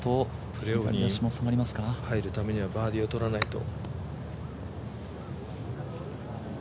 プレーオフに入るためにはバーディーをとらないと。